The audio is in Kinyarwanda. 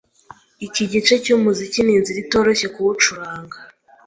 Iki gice cyumuziki ninzira itoroshye kuwucuranga.